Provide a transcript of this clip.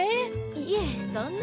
いえそんな。